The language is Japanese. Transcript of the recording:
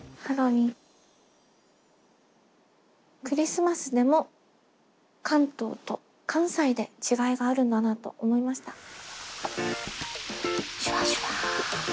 「クリスマス」でも関東と関西で違いがあるんだなと思いました。